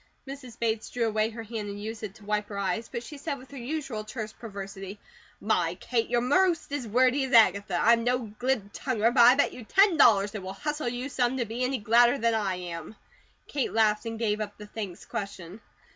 Mrs. Bates drew away her hand and used it to wipe her eyes; but she said with her usual terse perversity: "My, Kate! You're most as wordy as Agatha. I'm no glibtonguer, but I bet you ten dollars it will hustle you some to be any gladder than I am." Kate laughed and gave up the thanks question.